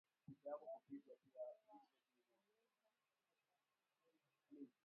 viazi lishe huweza kuokwa